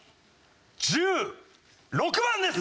１６番です！